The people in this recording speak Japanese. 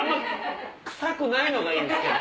臭くないのがいいんですけど。